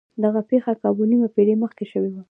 دغه پېښه کابو نيمه پېړۍ مخکې شوې وه.